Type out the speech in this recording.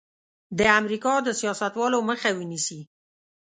د امریکا د سیاستوالو مخه ونیسي.